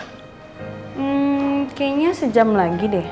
hmm kayaknya sejam lagi deh